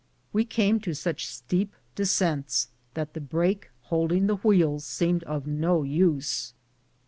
We came to such steep descents, the brake holding the wheels seemed of no use.